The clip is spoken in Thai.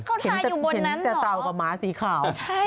เขาทาอยู่บนนั้นเหรอเห็นเต่ากับไม่สีขาว